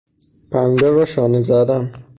پنبه راشانه زدن